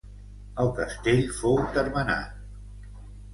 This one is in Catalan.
El castell fou termenat.